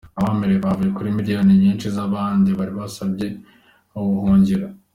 Abemerewe bavuye muri miliyoni nyinshi z’abandi bari basabye ubuhungiro.